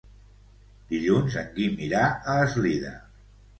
Dilluns en Guim irà a Eslida.